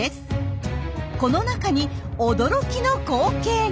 この中に驚きの光景が。